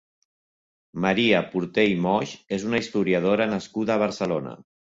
Maria Porter i Moix és una historiadora nascuda a Barcelona.